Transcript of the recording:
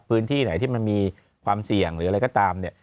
พื้นที่ไหนที่มันมีความเสี่ยงหรืออะไรก็ตามเนี่ย